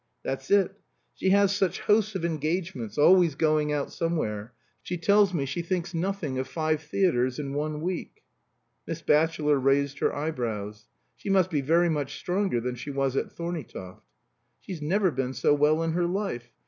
"That's it. She has such hosts of engagements always going out somewhere. She tells me she thinks nothing of five theatres in one week." Miss Batchelor raised her eyebrows. "She must be very much stronger than she was at Thorneytoft." "She's never been so well in her life.